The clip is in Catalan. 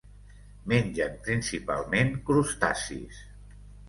Mengen, principalment, crustacis.